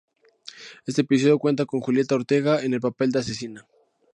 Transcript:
Este episodio cuenta con Julieta Ortega, en el papel de asesina.